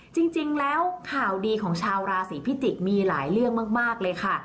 จริงแล้วข่าวดีของชาวราศีพิจิกษ์มีหลายเรื่องมากเลยค่ะ